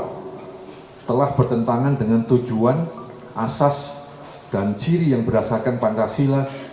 kegiatan yang diwaksanakan hti terindikasi kuat telah bertentangan dengan tujuan asas dan ciri yang berdasarkan pancasila